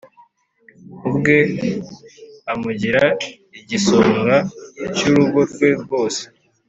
ubwe amugira igisonga cy urugo rwe rwose